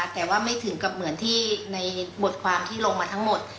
แต่ว่าไม่ถึงกับเหมือนที่ในบทความที่ลงมาทั้งหมด